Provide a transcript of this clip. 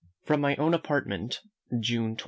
From my own Apartment, June 23.